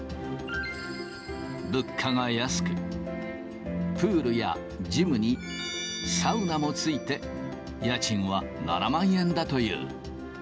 物価が安く、プールやジムにサウナも付いて家賃は７万円だという。